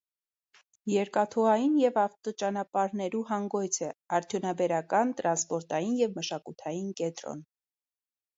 Երկաթուղային եւ ավտոճանապարհներու հանգոյց է, արդիւնաբերական, տրանսպորտային եւ մշակութային կեդրոն։